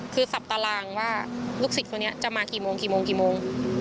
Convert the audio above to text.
คือสับตารางว่าลูกศิษย์คนนี้จะมากี่โมง